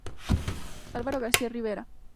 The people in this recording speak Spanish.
Álvaro García Rivera